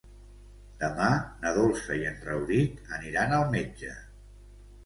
Demà na Dolça i en Rauric aniran al metge.